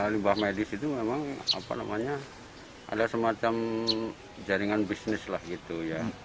limbah medis itu memang apa namanya ada semacam jaringan bisnis lah gitu ya